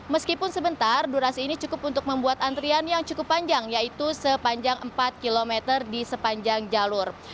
meskipun sebentar durasi ini cukup untuk membuat antrian yang cukup panjang yaitu sepanjang empat km di sepanjang jalur